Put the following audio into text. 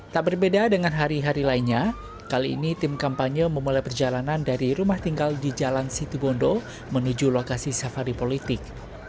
tak berbeda dengan hari hari lainnya kali ini tim kampanye memulai perjalanan dari rumah tinggal di jalan situbondo menuju lokasi safari politik